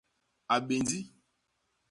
A béndi.